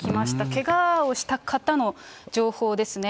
けがをした方の情報ですね。